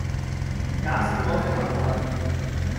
也是我的幸運